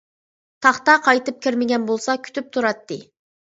تاختا قايتىپ كىرمىگەن بولسا كۈتۈپ تۇراتتى.